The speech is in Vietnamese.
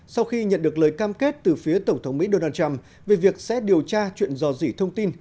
sau khi nhận được lời cam kết từ phía tổng thống mỹ donald trump về việc sẽ điều tra chuyện dò dỉ thông tin